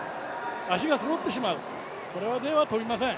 足がそろってしまうこれでは飛びません。